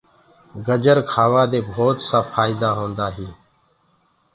گرجر کآوآ دي ڀوتسآ ڦآئيدآ هوندآ هينٚ۔